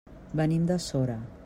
Venim de Sora.